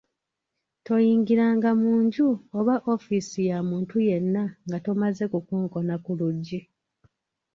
Toyingiranga mu nju oba “office” ya muntu yenna nga tomaze kukonkona ku luggi.